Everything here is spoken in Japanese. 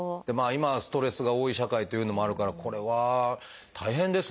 今はストレスが多い社会というのもあるからこれは大変ですね先生。